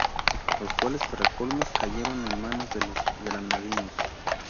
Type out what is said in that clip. Los cuales, para colmo, cayeron en manos de los granadinos.